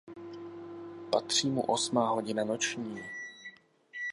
Patří mu osmá hodina noční.